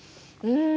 うん。